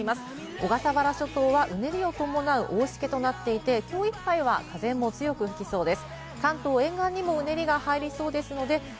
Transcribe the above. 小笠原諸島は、うねりを伴う大しけとなっていて、きょういっぱいは風も強く吹きそうです。